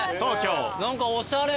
何かおしゃれ。